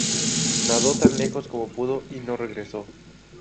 Nadó tan lejos como pudo y no regresó.